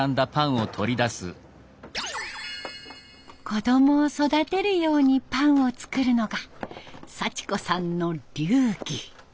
子供を育てるようにパンを作るのが幸子さんの流儀。